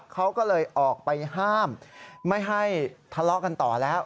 เขาก็เลยออกไปห้ามไม่ให้ทะเลาะกันต่อแล้ว